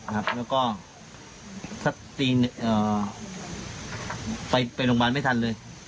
แล้วก็ไปโรงพยาบาลไม่ทันเลย